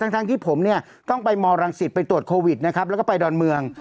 ทั้งที่ผมต้องไปมรังศิษย์ไปตรวจโควิดแล้วก็ไปดอนเมือง